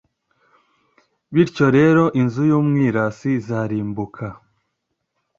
bityo rero inzu y'umwirasi izarimbuka